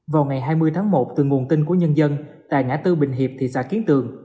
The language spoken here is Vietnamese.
vào ngày hai mươi tháng một từ nguồn tin của nhân dân tại ngã tư bình hiệp thị xã kiến tường